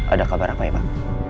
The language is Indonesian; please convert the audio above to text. ada kabar apa ya bang